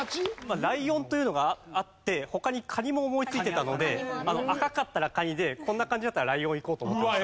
ライオンというのがあって他にカニも思いついてたので赤かったらカニでこんな感じだったらライオンいこうと思ってました。